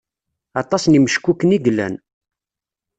Aṭas n imeckuken i yellan.